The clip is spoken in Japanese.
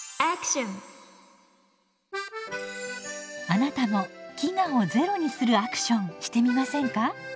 あなたも飢餓をゼロにするアクションしてみませんか？